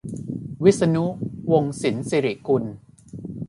วิษณุ วงศ์สินศิริกุล